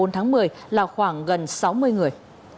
bốn tháng một mươi là khoảng gần sáu mươi người